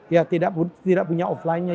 ya tidak punya offline nya